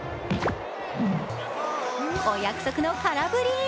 お約束の空振り。